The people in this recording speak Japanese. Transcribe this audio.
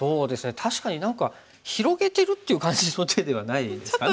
確かに何か広げてるって感じの手ではないですかね。